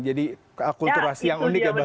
jadi kulturasi yang unik ya bang